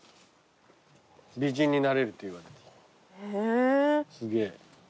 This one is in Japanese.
美人になれるといわれている。